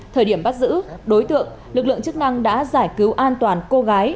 thời điểm bắt giữ đối tượng lực lượng chức năng đã giải cứu an toàn cô gái